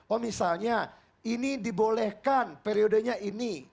oh misalnya ini dibolehkan periodenya ini